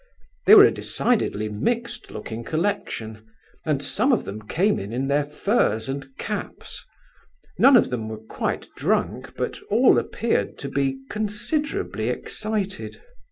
They were a decidedly mixed looking collection, and some of them came in in their furs and caps. None of them were quite drunk, but all appeared to be considerably excited.